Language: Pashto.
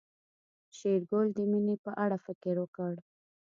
شېرګل د مينې په اړه فکر وکړ.